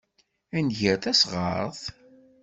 Ad nger tasɣart?